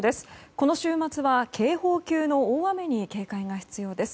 この週末は警報級の大雨に警戒が必要です。